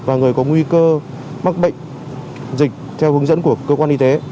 và người có nguy cơ mắc bệnh dịch theo hướng dẫn của cơ quan y tế